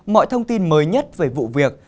mọi thông tin mới nhất về vụ việc